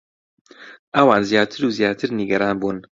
ئەوان زیاتر و زیاتر نیگەران بوون.